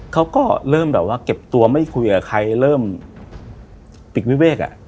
เขาก็เริ่มแบบว่าเก็บตัวไม่คุยกับใครเริ่มปิดวิเวกอ่ะ